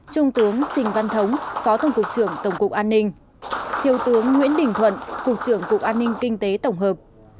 trung tướng trình văn thống phó tổng cục trưởng tổng cục an ninh thiếu tướng nguyễn đình thuận cục trưởng cục an ninh kinh tế tổng hợp